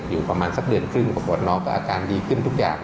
อยู่ประมาณสักเดือนครึ่งอาการดีขึ้นทุกอย่าง